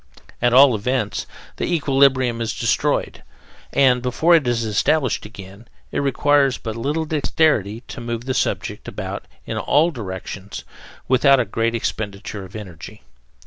At all events, the equilibrium is destroyed, and, before it is established again, it requires but little dexterity to move the subject about in all directions without a great expenditure of energy.